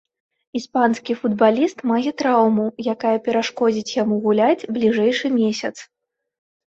Іспанскі футбаліст мае траўму, якая перашкодзіць яму гуляць бліжэйшы месяц.